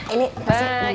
ini kasih gue